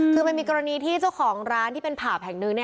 คือมันมีกรณีที่เจ้าของร้านที่เป็นผับแห่งหนึ่ง